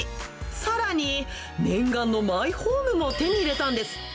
さらに、念願のマイホームも手に入れたんです。